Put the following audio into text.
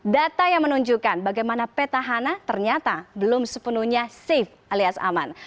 data yang menunjukkan bagaimana petahana ternyata belum sepenuhnya safe alias aman